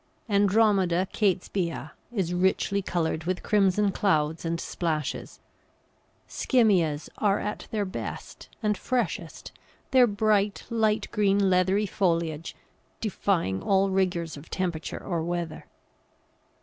Andromeda Catesbæi is richly coloured with crimson clouds and splashes; Skimmias are at their best and freshest, their bright, light green, leathery foliage defying all rigours of temperature or weather.